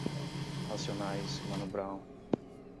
Racionais, Mano Brown